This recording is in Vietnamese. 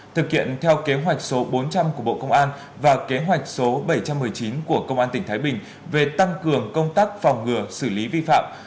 thực hiện theo kế hoạch số bốn trăm linh của bộ công an và kế hoạch số bảy trăm một mươi chín của công an tỉnh thái bình về tăng cường công tác phòng ngừa xử lý vi phạm